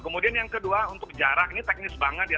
kemudian yang kedua untuk jarak ini teknis banget ya